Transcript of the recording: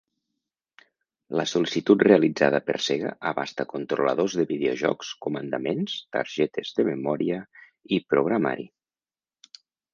La sol·licitud realitzada per Sega abasta controladors de videojocs, comandaments, targetes de memòria i programari.